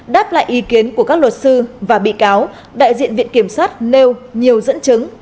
đáp lại ý kiến của các luật sư và bị cáo đại diện viện kiểm sát nêu nhiều dẫn chứng